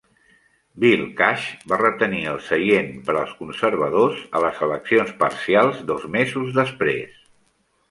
Bill Cash va retenir el seient per als conservadors a les eleccions parcials dos mesos després.